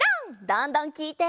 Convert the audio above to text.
どんどんきいて！